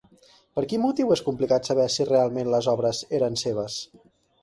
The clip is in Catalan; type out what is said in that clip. Per quin motiu és complicat saber si realment les obres eren seves?